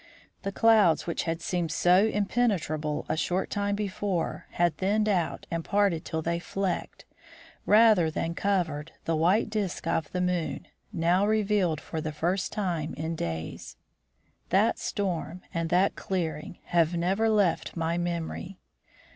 The clouds which had seemed so impenetrable a short time before, had thinned out and parted till they flecked, rather than covered, the white disk of the moon, now revealed for the first time in days. That storm and that clearing have never left my memory.